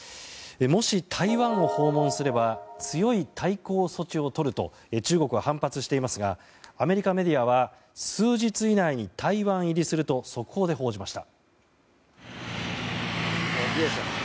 もし、台湾を訪問すれば強い対抗措置をとると中国が反発していますがアメリカメディアは数日以内に台湾入りすると速報で報じました。